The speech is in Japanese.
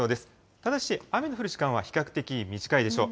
ただし、雨の降る時間は比較的短いでしょう。